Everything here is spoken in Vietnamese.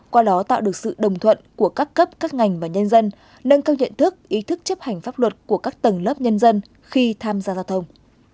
qua đó tạo được sự đồng thuận của các cấp các ngành và nhân dân nâng cao nhận thức ý thức chấp hành pháp luật của các tầng lớp nhân dân khi tham gia giao thông